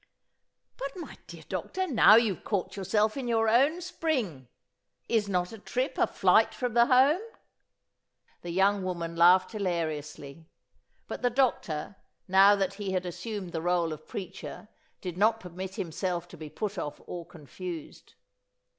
"But, my dear doctor, now you've caught yourself in your own springe. Is not a trip a flight from the home?" The young woman laughed hilariously. But the doctor now that he had assumed the rôle of preacher did not permit himself to be put off or confused.